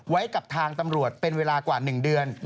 ไว้กับทางตำรวจเป็นเวลากว่า๑เดือน